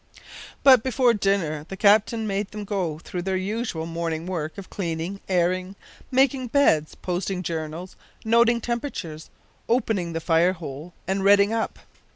But before dinner the captain made them go through their usual morning work of cleaning, airing, making beds, posting journals, noting temperatures, opening the fire hole, and redding up.